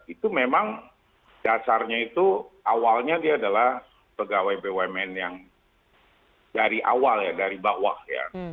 itu memang dasarnya itu awalnya dia adalah pegawai bumn yang dari awal ya dari bawah ya